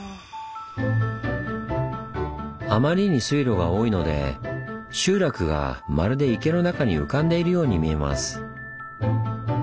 あまりに水路が多いので集落がまるで池の中に浮かんでいるように見えます。